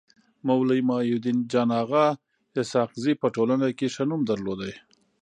مولوي محي الدين جان اغا اسحق زي په ټولنه کي ښه نوم درلود.